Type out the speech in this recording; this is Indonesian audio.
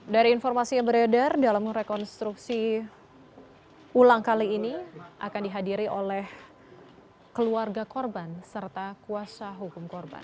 dari informasi yang beredar dalam rekonstruksi ulang kali ini akan dihadiri oleh keluarga korban serta kuasa hukum korban